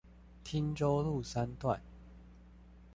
汀州路三段